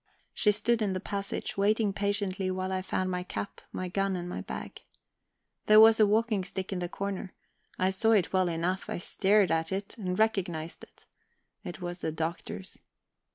She stood in the passage waiting patiently while I found my cap, my gun, and my bag. There was a walking stick in the corner; I saw it well enough; I stared at it, and recognized it it was the Doctor's.